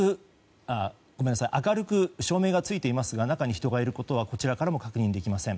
明るく照明がついていますが中に人がいることはこちらからも確認できません。